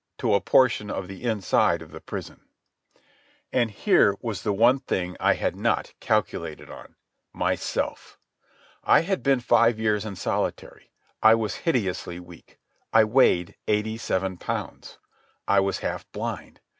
.. to a portion of the inside of the prison. And here was the one thing I had not calculated on—myself. I had been five years in solitary. I was hideously weak. I weighed eighty seven pounds. I was half blind.